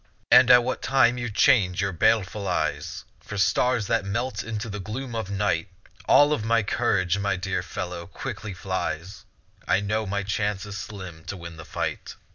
And at what time you change your baleful eyes For stars that melt into the gloom of night, All of my courage, my dear fellow, quickly flies; I know my chance is slim to win the fight.